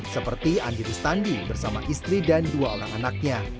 seperti andi rustandi bersama istri dan dua orang anaknya